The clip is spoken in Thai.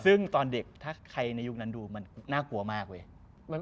ซึ่งตอนเด็กถ้าใครในยุคนั้นดูมันน่ากลัวมากเว้ย